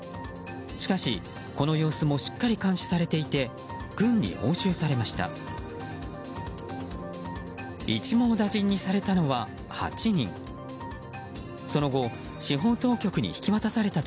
しかし、この様子もしっかり監視されていて軍に押収されました。